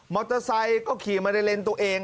อเตอร์ไซค์ก็ขี่มาในเลนส์ตัวเอง